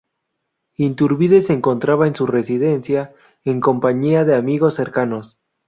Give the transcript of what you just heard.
Iturbide se encontraba en su residencia en compañía de amigos cercanos.